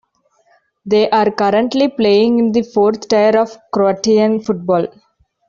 They are currently playing in the fourth tier of Croatian football.